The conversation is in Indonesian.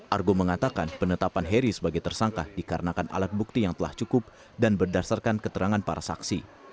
argo mengatakan penetapan heri sebagai tersangka dikarenakan alat bukti yang telah cukup dan berdasarkan keterangan para saksi